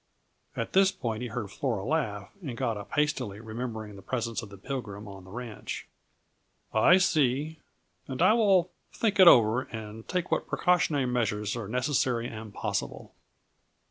At that point he heard Flora laugh, and got up hastily, remembering the presence of the Pilgrim on the ranch. "I see, and I will think it over and take what precautionary measures are necessary and possible."